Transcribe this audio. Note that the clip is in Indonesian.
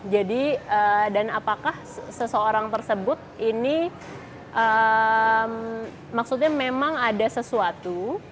jadi dan apakah seseorang tersebut ini maksudnya memang ada sesuatu